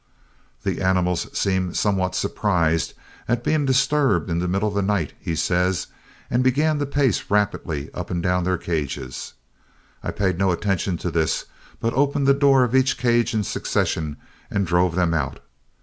"The animals seemed somewhat surprised at being disturbed in the middle of the night," he says, "and began to pace rapidly up and down their cages. I paid no attention to this, but opened the door of each cage in succession and drove them out.